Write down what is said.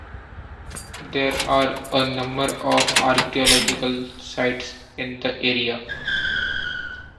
There are a number of archaeological sites in the area.